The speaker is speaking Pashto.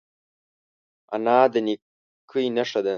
انا د نیکۍ نښه ده